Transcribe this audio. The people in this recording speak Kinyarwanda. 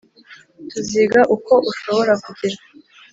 tuziga uko ushobora kugira